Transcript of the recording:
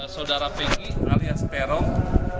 saudara pegi alias perong yang saat ini kita ketahui